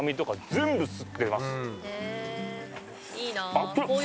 熱っ！